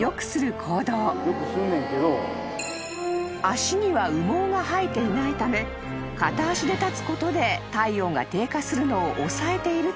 ［足には羽毛が生えていないため片足で立つことで体温が低下するのを抑えていると考えられている］